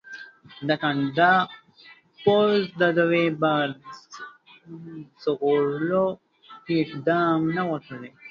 د کاناډا پوځ د دوی په ژغورلو کې اقدام نه و کړی.